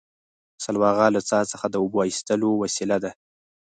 سلواغه له څا څخه د اوبو ایستلو وسیله ده